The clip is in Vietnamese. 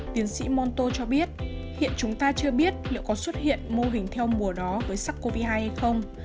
tiến sĩ monto cho biết hiện chúng ta chưa biết liệu có xuất hiện mô hình theo mùa đó với sars cov hai hay không